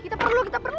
kita perlu kita perlu